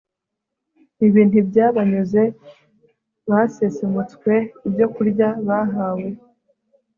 Ibi ntibyabanyuze Basesemutswe ibyokurya bahawe